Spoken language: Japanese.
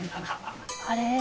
「あれ？